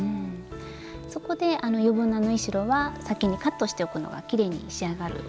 そこで余分な縫い代は先にカットしておくのがきれいに仕上がるコツなんですね。